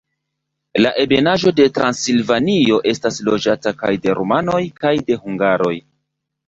La Ebenaĵo de Transilvanio estas loĝata kaj de rumanoj kaj de hungaroj.